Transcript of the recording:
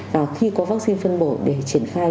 và khi có vaccine phân bổ để triển khai